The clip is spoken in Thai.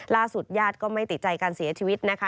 ญาติก็ไม่ติดใจการเสียชีวิตนะคะ